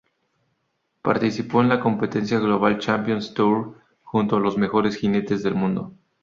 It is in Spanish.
Participó en la competencia Global Champions Tour, junto a los mejores jinetes del mundo.